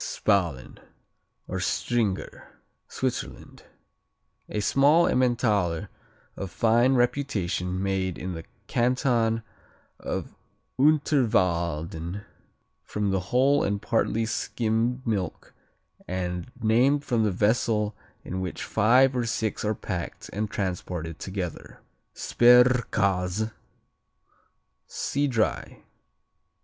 Spalen or Stringer Switzerland A small Emmentaler of fine reputation made in the Canton of Unterwalden from whole and partly skimmed milk and named from the vessel in which five or six are packed and transported together. Sperrkäse see Dry.